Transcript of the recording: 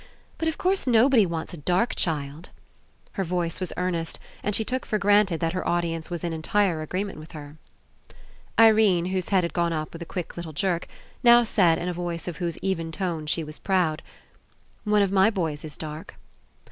But, of course, nobody wants a dark child." Her voice was earnest and she took for granted 60 ENCOUNTER that her audience was In entire agreement with her. Irene, whose head had gone up with a quick little jerk, now said in a voice of whose even tones she was proud: "One of my boys IS dark."